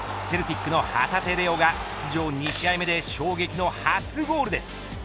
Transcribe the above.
セルティックの旗手怜央が出場２試合目で衝撃の初ゴールです。